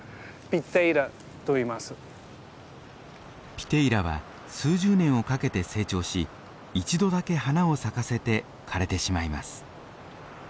ピテイラは数十年をかけて成長し一度だけ花を咲かせて枯れてしまいます。